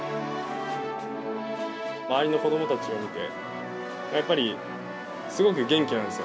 周りの子どもたちを見て、やっぱりすごく元気なんですよ。